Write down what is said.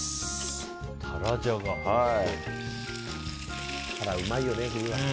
タラ、うまいよね。